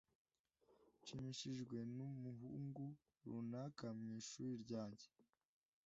Nshimishijwe numuhungu runaka mwishuri ryanjye.